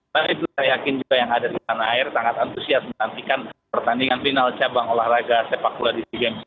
baru itu saya yakin juga yang ada di tanah air sangat antusias menantikan pertandingan final cabang olahraga sepak bola di sea games ke tiga puluh dua kamboja kali ini